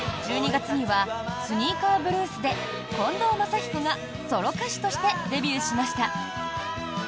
１２月には「スニーカーぶるす」で近藤真彦がソロ歌手としてデビューしました。